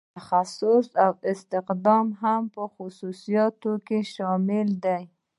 تخصیص او استخدام هم په خصوصیاتو کې شامل دي.